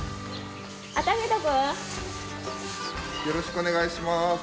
よろしくお願いします。